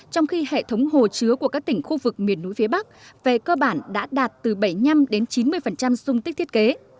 trong khi hệ thống hồ chứa của các tỉnh khu vực miền núi phía bắc về cơ bản đã đạt từ bảy mươi năm chín mươi dung tích thiết kế